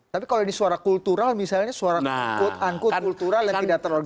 tapi kalau ini suara kultural misalnya suara quote unquote kultural yang tidak terlalu